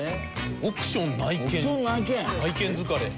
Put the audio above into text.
「億ション内見」「内見疲れ」